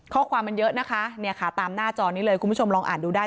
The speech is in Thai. ข้อความมันเยอะนะคะเนี่ยค่ะตามหน้าจอนี้เลยคุณผู้ชมลองอ่านดูได้